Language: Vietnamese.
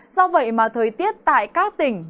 do vậy mà thời tiết tại các tỉnh